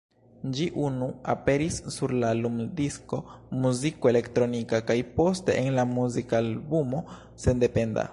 Ĝi unu aperis sur la lumdisko "Muziko Elektronika", kaj poste en la muzikalbumo "Sendependa".